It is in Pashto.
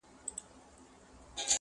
ستا د حسن خیال پر انارګل باندي مین کړمه؛